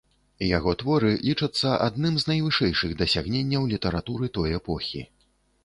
Яго творы лічацца адным з найвышэйшых дасягненняў літаратуры той эпохі.